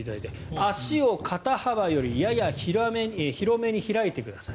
足を肩幅よりやや広めに開いてください。